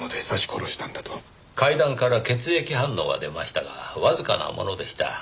階段から血液反応は出ましたがわずかなものでした。